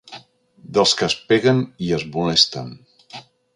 Dels que es peguen i es molesten.